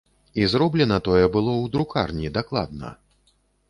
І зроблена тое было ў друкарні, дакладна.